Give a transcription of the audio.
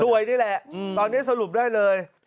นี่แหละตอนนี้สรุปได้เลย